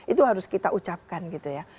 itu harus kita ucapkan gitu ya